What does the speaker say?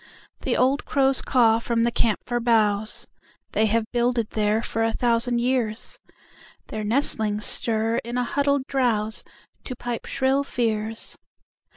The old crows caw from the camphor boughs, They have builded there for a thousand years; Their nestlings stir in a huddled drowseTo pipe shrill fears.